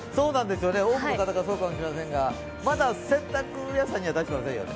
多くの方がそうかもしれませんが、まだ洗濯屋さんには出してませんよね？